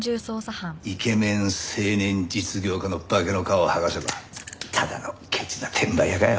イケメン青年実業家の化けの皮を剥がせばただのケチな転売屋かよ。